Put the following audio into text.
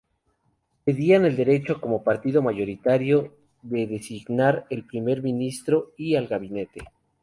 Pedían el derecho, como partido mayoritario, de designar al Primer Ministro y al Gabinete.